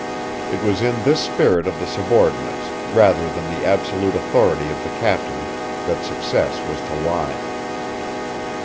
It was in this spirit of the subordinates, rather than in the absolute authority of the captain, that success was to lie.